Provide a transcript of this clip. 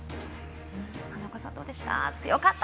花岡さん、どうでした？